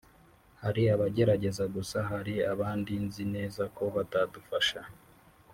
hari abagerageza gusa hari abandi nzi neza ko batadufasha